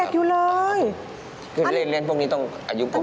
โอ้ครับ